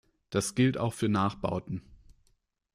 Das gilt auch für Nachbauten.